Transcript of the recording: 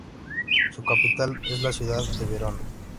Su capital es la ciudad de Verona.